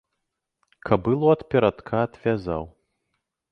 Кабылу ад перадка адвязаў.